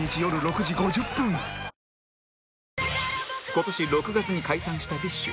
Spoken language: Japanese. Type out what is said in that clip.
今年６月に解散した ＢｉＳＨ